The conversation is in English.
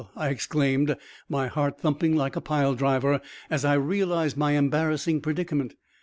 I exclaimed, my heart thumping like a pile driver, as I realized my embarrassing predicament.